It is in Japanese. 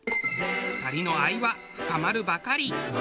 ２人の愛は深まるばかり。